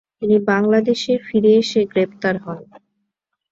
তিনি বাংলাদেশে ফিরে এসে গ্রেপ্তার হন।